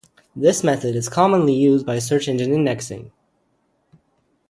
This method is commonly used by search engine indexing.